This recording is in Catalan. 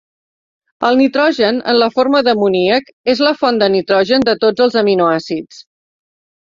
El nitrogen en la forma d'amoníac és la font de nitrogen de tots els aminoàcids.